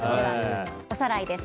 おさらいです。